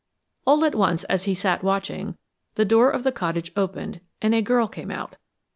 All at once, as he sat watching, the door of the cottage opened, and a girl came out.